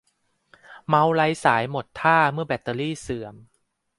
เมาส์ไร้สายหมดท่าเมื่อแบตเสื่อม